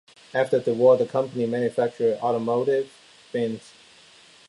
After the war, the company manufactured automotive bins.